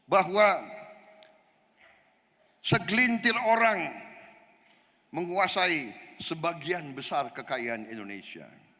bahwa segelintir orang menguasai sebagian besar kekayaan indonesia